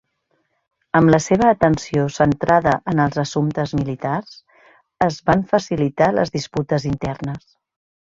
Amb la seva atenció centrada en els assumptes militars, es van facilitar les disputes internes.